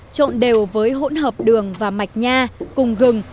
trộn đều với hỗn hợp đường và mạch nha cùng gừng